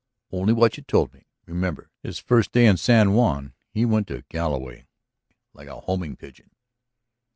"Only what you told me. Remember that his first day in San Juan he went to Galloway like a homing pigeon."